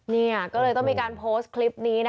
นี่ก็เลยต้องมีการโพสต์คลิปนี้นะคะ